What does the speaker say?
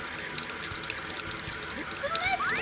ひとつめ。